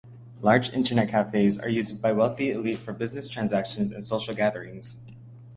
Large Internet cafes are used by wealthy elite for business transactions and social gatherings.